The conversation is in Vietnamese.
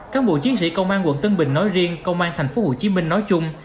các bộ chiến sĩ công an quận tân bình nói riêng công an thành phố hồ chí minh nói chung